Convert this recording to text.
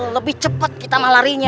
lebih cepat kita malah larinya